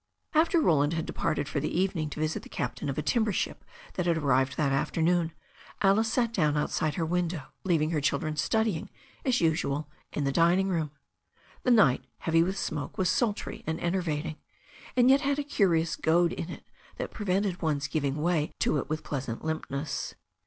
After Roland had departed for the evening to visit the captain of a timbership that had arrived that afternoon, Alice sat down outside her window, leaving her children studying as usual in the dining room. The night, heavy with smoke, was sultry and enervating, and yet had a curious goad in it that prevented one's giving way to it with pleas ant limpness.